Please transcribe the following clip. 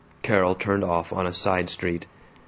Carol turned off on a side street.